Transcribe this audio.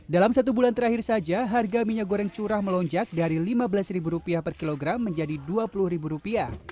dalam satu bulan terakhir saja harga minyak goreng curah melonjak dari rp lima belas per kilogram menjadi rp dua puluh